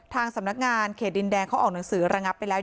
ทางสำนักงานเขตดินแดงเขาออกหนังสือระงับไปแล้ว